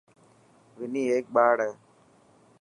وني هيڪ ٻاڙ هي.